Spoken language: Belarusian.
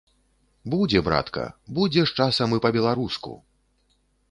Будзе, братка, будзе з часам і па-беларуску!